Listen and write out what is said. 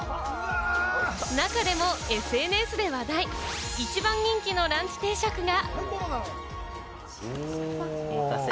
中でもＳＮＳで話題、一番人気のランチ定食が。